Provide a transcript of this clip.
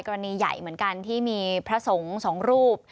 กรณีใหญ่เหมือนกันที่มีพระสงฆ์สองรูป